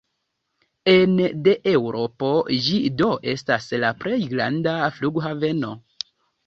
Ene de Eŭropo, ĝi do estas la plej granda flughaveno.